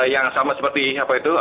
yang sama seperti apa itu